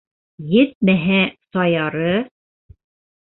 Етмәһә, Саяры...